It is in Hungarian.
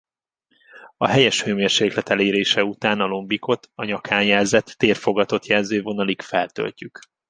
A helyes hőmérséklet elérése után a lombikot a nyakán jelzett térfogatot jelző vonalig feltöltjük.